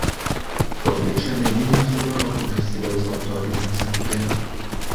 Koplyčia medinė su barokinio stiliaus altoriumi centre.